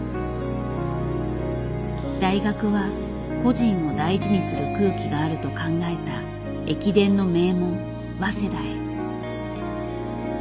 大学は個人を大事にする空気があると考えた駅伝の名門早稲田へ。